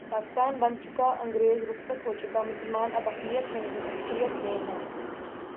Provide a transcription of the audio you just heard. پاکستان بن چکا انگریز رخصت ہو چکا مسلمان اب اقلیت میں نہیں، اکثریت میں ہیں۔